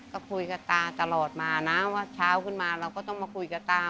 ก็คุยกับตาตลอดมานะว่าเช้าขึ้นมาเราก็ต้องมาคุยกับตา